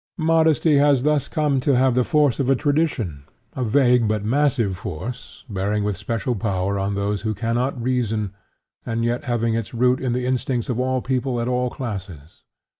Modesty has thus come to have the force of a tradition, a vague but massive force, bearing with special power on those who cannot reason, and yet having its root in the instincts of all people of all classes.